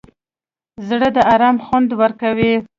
زړه د ارام خوند ورکوي.